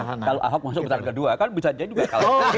kalau ahok masuk putaran kedua kan bisa jadi juga kalah